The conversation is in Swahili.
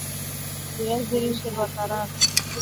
Viazi lishe vya kukaanga